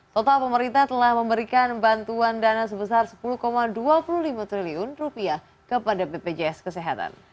total pemerintah telah memberikan bantuan dana sebesar sepuluh dua puluh lima triliun kepada bpjs kesehatan